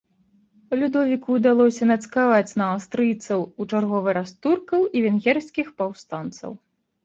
Людовіку ўдалося нацкаваць на аўстрыйцаў у чарговы раз туркаў і венгерскіх паўстанцаў.